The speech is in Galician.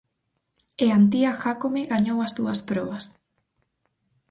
E Antía Jácome gañou as dúas probas.